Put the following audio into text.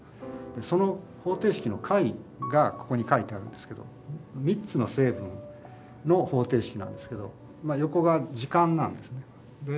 その方程式の解がここに書いてあるんですけど３つの成分の方程式なんですけど横が時間なんですね。